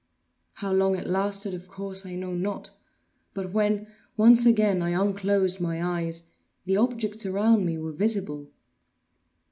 How long it lasted of course, I know not; but when, once again, I unclosed my eyes, the objects around me were visible.